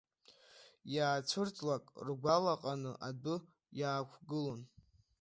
Иаацәырҵлак ргәалаҟаны адәы иаақәгылон.